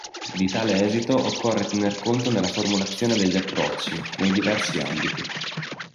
Di tale esito occorre tener conto nella formulazione degli approcci, nei diversi ambiti.